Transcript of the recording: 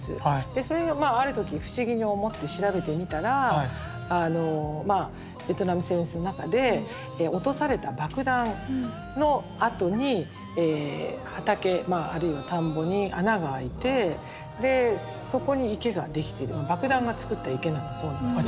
それである時不思議に思って調べてみたらベトナム戦争の中で落とされた爆弾の跡に畑あるいは田んぼに穴が開いてでそこに池が出来てるの爆弾がつくった池なんだそうなんですよ。